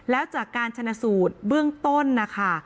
แล้วจากการชนะสูตรเบื้องต้นนะคะ